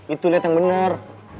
itu lihat yang bener